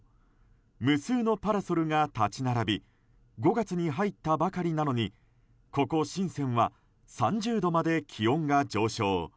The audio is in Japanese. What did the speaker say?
無数のパラソルが立ち並び５月に入ったばかりなのにここ、シンセンは３０度まで気温が上昇。